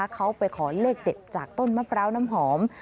เขาไปขอเลขเด็ดจากต้นมะพร้าวน้ำหอม